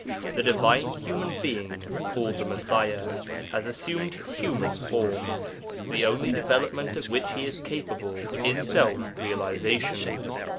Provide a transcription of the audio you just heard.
The divine human Being called the Messiah has assumed human form; the only development of which he is capable is self realization.